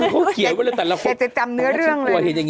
แล้วเขาเขียนไว้ตรงนั้นปรับตรงเรื่อง